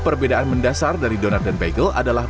perbedaan mendasar dari donat dan bagel adalah